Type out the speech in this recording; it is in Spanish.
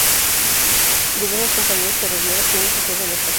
Diversas compañías ferroviarias tienen su sede en la estación.